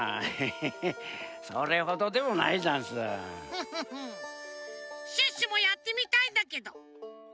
フフフシュッシュもやってみたいんだけど。